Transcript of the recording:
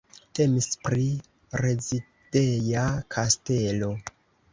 Temis pri rezideja kastelo.